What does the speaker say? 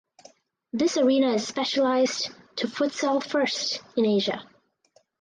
This arena is specialized to futsal first in Asia.